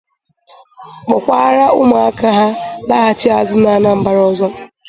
kpọkwara ụmụaka ha laghachi azụ n'Anambra ọzọ